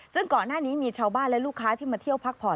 ซึ่งก่อนหน้านี้มีชาวบ้านและลูกค้าที่มาเที่ยวพักผ่อน